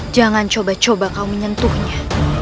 jangan coba coba kau menyentuhnya